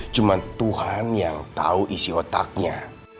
cuman tuhan yang tau isi otaknya